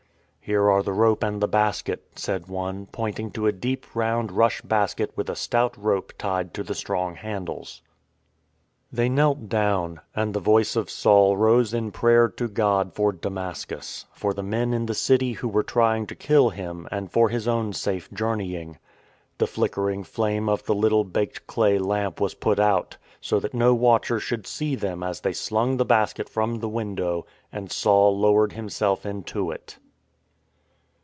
" Here are the rope and the basket," said one, pointing to a deep round rush basket with a stout rope tied to the strong handles. They knelt down, and the voice of Saul rose in prayer to God for Damascus, for the men in the city who were trying to kill him and for his own safe journeying. The flickering flame of the little baked clay lamp was put out, so that no watcher should see them as they slung the basket from the window and Saul lowered himself into it.